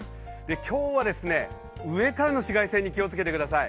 今日はですね、上からの紫外線に気をつけてください。